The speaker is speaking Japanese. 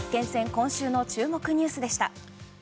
今週の注目ニュースでした。